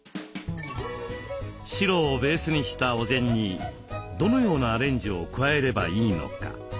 白をベースにしたお膳にどのようなアレンジを加えればいいのか？